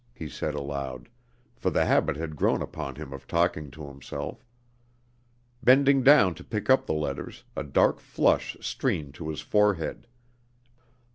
he said aloud for the habit had grown upon him of talking to himself. Bending down to pick up the letters, a dark flush streamed to his forehead.